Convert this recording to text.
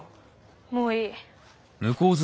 もういい。